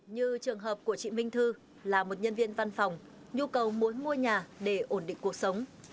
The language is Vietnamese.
như trường hợp của chị minh thư là một nhân viên văn phòng nhu cầu muốn mua nhà để ổn định cuộc sống